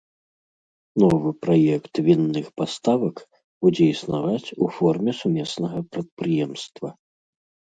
Новы праект вінных паставак будзе існаваць у форме сумеснага прадпрыемства.